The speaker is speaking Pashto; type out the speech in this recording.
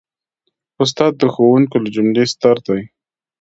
استاد د ښوونکو له جملې ستر دی.